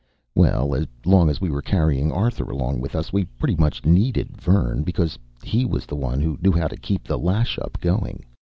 Well, as long as we were carrying Arthur along with us, we pretty much needed Vern, because he was the one who knew how to keep the lash up going.